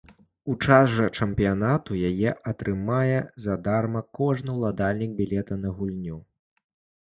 У час жа чэмпіянату яе атрымае задарма кожны ўладальнік білета на гульню.